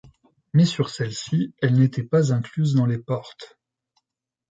Mais sur celles-ci elles n'était pas incluses dans les portes.